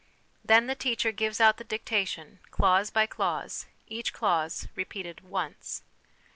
Then the teacher gives out the dictation, clause by clause, each clause repeated once.